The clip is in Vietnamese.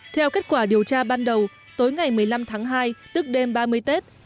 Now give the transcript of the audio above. theo kết quả điều tra ban đầu tối ngày một mươi năm tháng hai tức đêm ba mươi tết